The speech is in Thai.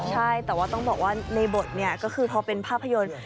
ใช่แต่ว่าต้องบอกว่าในบทเนี่ยก็คือพอเป็นภาพยนตร์